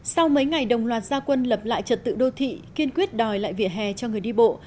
sau mấy ngày đồng loạt gia quân lập lại trật tự đô thị kiên quyết đòi lại vỉa hè cho người đi bộ